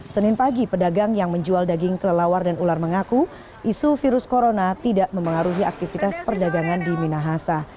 senin pagi pedagang yang menjual daging kelelawar dan ular mengaku isu virus corona tidak memengaruhi aktivitas perdagangan di minahasa